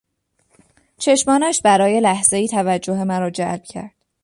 چشمانش برای لحظهای توجه مرا جلب کرد.